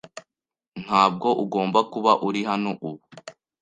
Ntabwo ugomba kuba uri hano ubu.